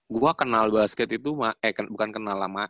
gua kenal basket itu eh bukan kenal lama